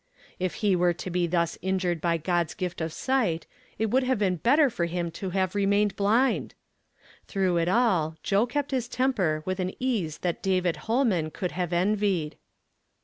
If he were to be thus injured by God's gift of sight, it would have been better for him to have ren^ained blind. Through it all, Joe kept his temper with an ease that David Holman could have envied.